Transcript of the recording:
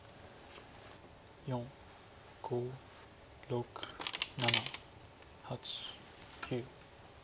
４５６７８９。